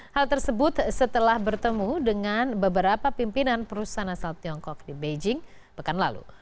hal tersebut setelah bertemu dengan beberapa pimpinan perusahaan asal tiongkok di beijing pekan lalu